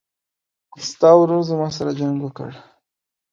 ستا ورور زما سره جنګ وکړ